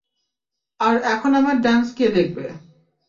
আর এখন আমার ডান্স কে দেখবে?